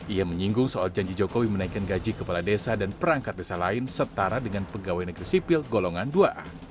ia menyinggung soal janji jokowi menaikkan gaji kepala desa dan perangkat desa lain setara dengan pegawai negeri sipil golongan dua a